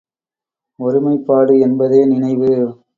ஒருமைப்பாடு என்பதே நினைவு.